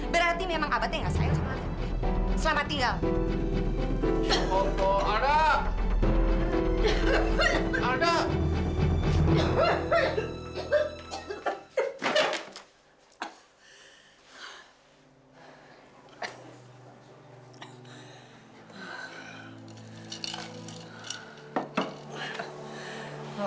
berarti memang abah nggak sayang sama alda